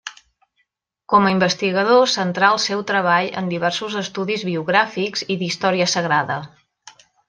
Com a investigador, centrà el seu treball en diversos estudis biogràfics i d’història sagrada.